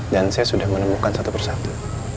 dan saya sudah menemukan satu persatu